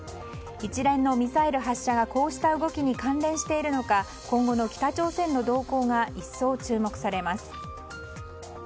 一連のミサイル発射がこうした動きに関連しているのか今後の北朝鮮の動向が一層注目されます。